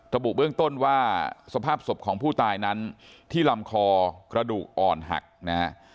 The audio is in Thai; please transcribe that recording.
ระบุเบื้องต้นว่าสภาพศพของผู้ตายนั้นที่ลำคอกระดูกอ่อนหักนะฮะ